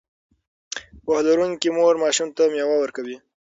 پوهه لرونکې مور ماشوم ته مېوه ورکوي.